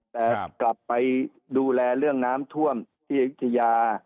แต่กลับไปดูแลเรื่องน้ำท่วมพิทยา